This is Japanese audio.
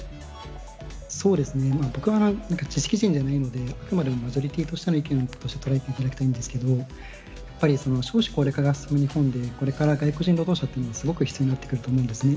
そうですね、僕は知識人じゃないので、あくまでもマジョリティとしての意見として捉えていただきたいんですけれども、やっぱり少子高齢化が進む日本でこれから外国人労働者っていうのがすごく必要になってくると思うんですね。